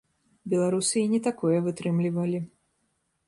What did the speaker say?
Беларусы і не такое вытрымлівалі.